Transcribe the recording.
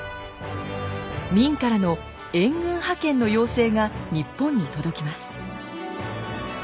明からの援軍派遣の要請が日本に届きます。